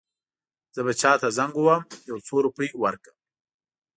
زه به چاته زنګ ووهم یو څو روپۍ ورکړه.